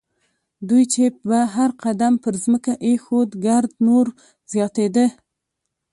دوی چې به هر قدم پر ځمکه اېښود ګرد نور زیاتېده.